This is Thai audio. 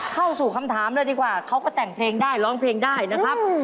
เข้าสู่คำถามเลยดีกว่าเขาก็แต่งเพลงได้ร้องเพลงได้นะครับ